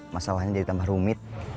masalahnya jadi tambah rumit